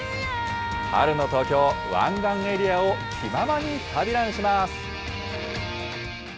湾岸エリアを気ままに旅ランします。